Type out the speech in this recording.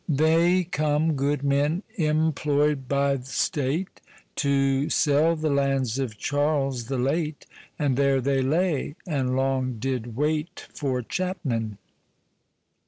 They come, good men, imploi'd by th' State To sell the lands of Charles the late. And there they lay, and long did waite For chapmen.